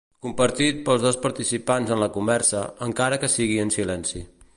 Compartit pels dos participants en la conversa, encara que sigui en silenci.